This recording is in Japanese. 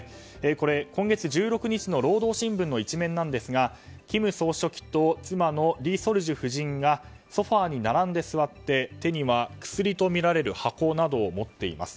これ、今月１６日の労働新聞の１面ですが金総書記と妻のリ・ソルジュ夫人がソファに並んで座って手には薬とみられる箱などを持っています。